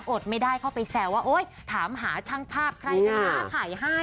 ดไม่ได้เข้าไปแซวว่าโอ๊ยถามหาช่างภาพใครกันนะถ่ายให้